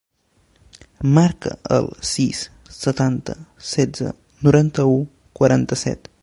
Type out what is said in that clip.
Marca el sis, setanta, setze, noranta-u, quaranta-set.